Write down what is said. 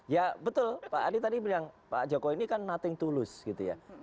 ya betul pak adi tadi bilang pak jokowi ini kan nothing to lose gitu ya